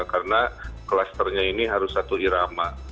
karena klasternya ini harus satu irama